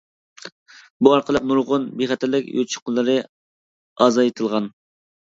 بۇ ئارقىلىق نۇرغۇن بىخەتەرلىك يوچۇقلىرى ئازايتىلغان.